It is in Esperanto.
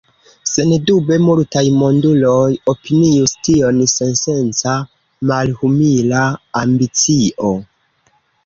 Sendube multaj monduloj opinius tion sensenca, malhumila ambicio.